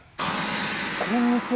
こんにちは。